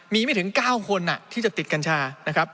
มีไม่ถึง๙คนที่จะติดกัญชานะครับ